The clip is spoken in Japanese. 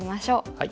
はい。